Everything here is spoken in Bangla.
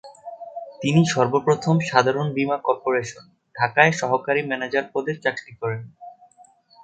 তিনি সর্ব প্রথম সাধারণ বীমা কর্পোরেশন, ঢাকায় সহকারী ম্যানেজার পদে চাকরি করেন।